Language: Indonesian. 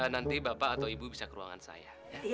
nanti bapak atau ibu bisa ke ruangan saya